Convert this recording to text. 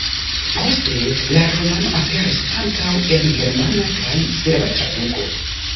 Poste la romano aperis ankaŭ en germana kaj serba traduko.